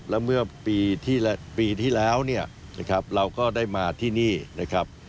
แล้วเมื่อปีที่แล้วเนี่ยนะครับเราก็ได้มาที่นี่นะครับ